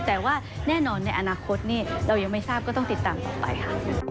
แต่ว่าแน่นอนในอนาคตนี่เรายังไม่ทราบก็ต้องติดตามต่อไปค่ะ